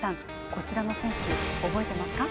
こちらの選手、覚えてますか。